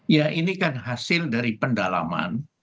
ya ini kan hasil dari pendalaman